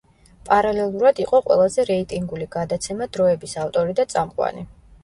პარალელურად იყო ყველაზე რეიტინგული გადაცემა „დროების“ ავტორი და წამყვანი.